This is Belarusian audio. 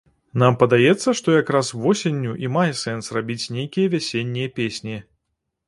Нам падаецца, што як раз восенню і мае сэнс рабіць нейкія вясеннія песні.